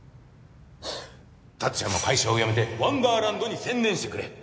達也も会社を辞めてワンダーランドに専念してくれ